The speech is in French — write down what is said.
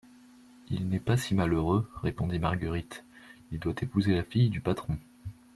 Il n'est pas si malheureux, répondit Marguerite, il doit épouser la fille du patron.